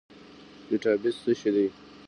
ډیټابیس څه شی دی؟